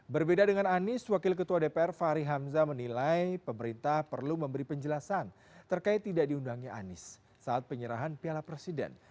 berbeda dengan anies wakil ketua dpr fahri hamzah menilai pemerintah perlu memberi penjelasan terkait tidak diundangnya anies saat penyerahan piala presiden